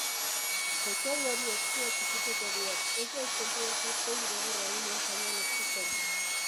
Koitaduari eskua txikituko diot, ez naiz konturatu zein gogor ari nintzaion estutzen.